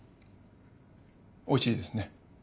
おいしいですね。